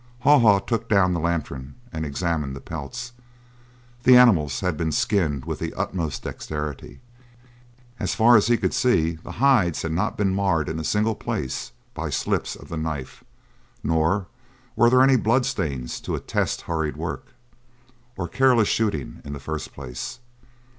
Haw Haw took down the lantern and examined the pelts. The animals had been skinned with the utmost dexterity. As far as he could see the hides had not been marred in a single place by slips of the knife, nor were there any blood stains to attest hurried work, or careless shooting in the first place.